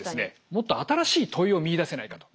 もっと新しい問いを見いだせないかと。